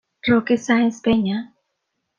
Roque Sáenz Peña.